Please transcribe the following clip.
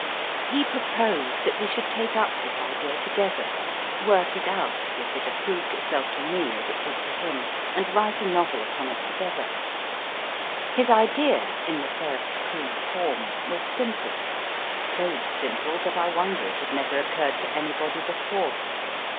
He proposed that we should take up this idea together, work it out, if it approved itself to me as it did to him, and write a novel upon it together. His idea, in the first crude form, was simple so simple that I wonder it had never occurred to anybody before.